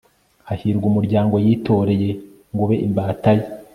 hahirwa umuryango yitoreye ngo ube imbata ye